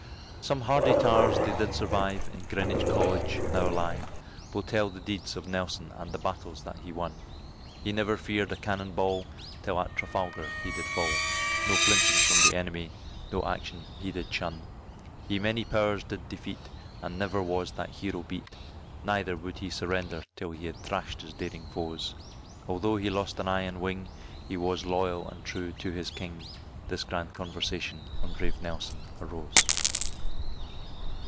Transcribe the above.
Some hardy tars they did survive, in Greenwich College now alive, Will tell the deeds of Nelson and the battles that he won, He never feared a cannon ball, till at Trafalgar he did fall, No flinching from the enemy no action he did shun; He many powers did defeat, and never was that hero beat, Neither would he surrender till he had thrashed his daring foes, Altho' he lost an eye and wing, he was loyal and true to his king, This grand conversation on brave Nelson arose.